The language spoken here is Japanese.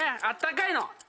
あったかいの。